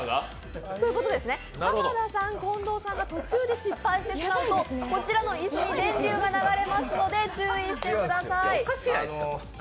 濱田さん、近藤さんが途中で失敗してしまうと、こちらの椅子に電流が流れますので注意してください。